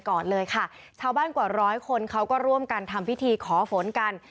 ก่อนเลยค่ะชาวบ้านกว่าร้อยคนเขาก็ร่วมกันทำพิธีขอฝนกัน